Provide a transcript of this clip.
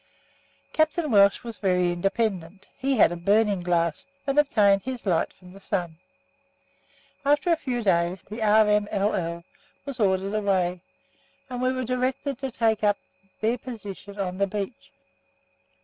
Captain Welch was very independent; he had a burning glass, and obtained his light from the sun. After a few days the R.M.L.I. were ordered away, and we were directed to take up their position on the beach.